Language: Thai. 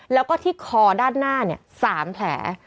แล้วก็ที่คอด้านหน้าเนี่ยสามแผล